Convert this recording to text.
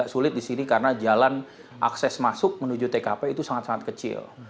agak sulit disini karena jalan akses masuk menuju tkp itu sangat sangat kecil